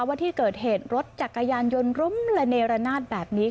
ว่าที่เกิดเหตุรถจักรยานยนต์ล้มระเนรนาศแบบนี้